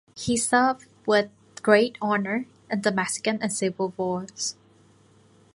He served with great honor in the Mexican and Civil Wars.